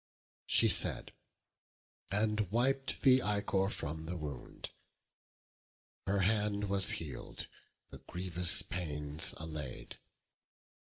She said; and wip'd the ichor from the wound; The hand was heal'd, the grievous pains allay'd.